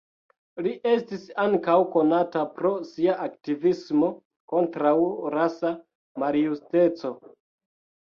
Li estis ankaŭ konata pro sia aktivismo kontraŭ rasa maljusteco.